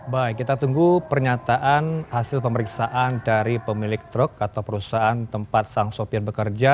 baik kita tunggu pernyataan hasil pemeriksaan dari pemilik truk atau perusahaan tempat sang sopir bekerja